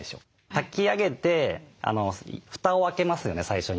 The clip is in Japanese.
炊き上げて蓋を開けますよね最初に。